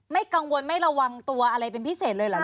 ไม่กังวลไม่ระวังตัวอะไรเป็นพิเศษเลยเหรอค